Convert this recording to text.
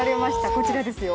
こちらですよ。